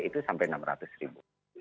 itu sampai rp enam ratus